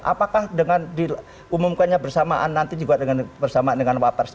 apakah dengan diumumkannya bersamaan nanti juga bersamaan dengan wapres